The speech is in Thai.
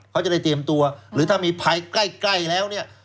เขาจะได้เตรียมตัวหรือถ้ามีภัยใกล้แล้วเนี่ย